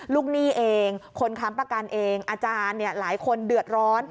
หนี้เองคนค้ำประกันเองอาจารย์หลายคนเดือดร้อน